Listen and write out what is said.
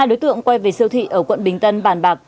hai đối tượng quay về siêu thị ở quận bình tân bàn bạc